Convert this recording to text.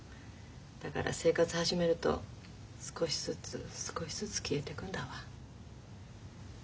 だから生活始めると少しずつ少しずつ消えてくんだわ。